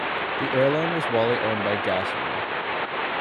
The airline was wholly owned by Gasarer.